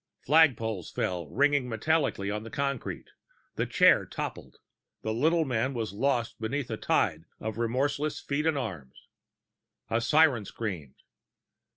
Flagpoles fell, ringing metallically on the concrete; the chair toppled. The little man was lost beneath a tide of remorseless feet and arms. A siren screamed.